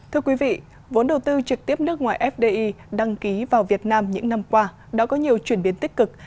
thưa quý vị vốn đầu tư trực tiếp nước ngoài fdi đăng ký vào việt nam những năm qua đã có nhiều chuyển biến tích cực